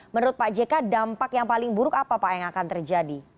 menurut pak jk dampak yang paling buruk apa pak yang akan terjadi